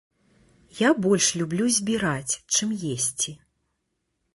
Я больш люблю збіраць, чым есці.